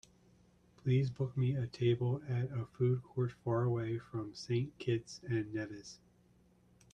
Please book me a table at a food court faraway from Saint Kitts and Nevis.